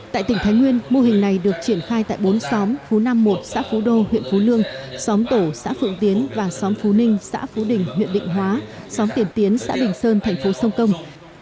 tại tỉnh thái nguyên mô hình này được triển khai tại bốn xóm phú nam một xã phú đô huyện phú lương xóm tổ xã phượng tiến và xóm phú ninh xã phú đình huyện định hóa xóm tiền tiến xã bình sơn thành phố sông công